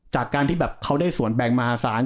จากการที่แบบเขาได้ส่วนแบ่งมหาศาล